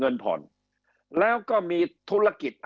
คำอภิปรายของสอสอพักเก้าไกลคนหนึ่ง